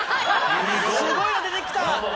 すごいの出てきた！